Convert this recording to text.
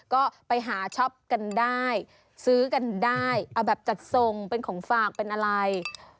ก็ไปหาช็อปกันได้ซื้อกันได้เอาแบบจัดทรงเป็นของฝากเป็นอะไร